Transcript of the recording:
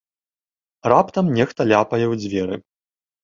Раптам нехта ляпае ў дзверы.